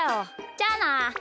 じゃあな！